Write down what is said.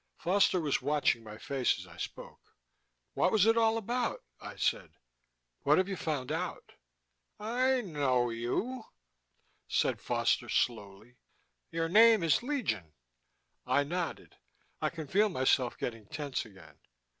Foster was watching my face as I spoke. "What was it all about?" I said. "What have you found out?" "I know you," said Foster slowly. "Your name is Legion." I nodded. I could feel myself getting tense again.